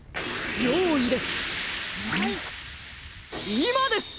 いまです！